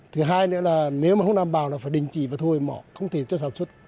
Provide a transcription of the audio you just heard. thứ hai nữa là nếu mà không đảm bảo là phải đình chỉ và thu hồi mỏ không thể cho sản xuất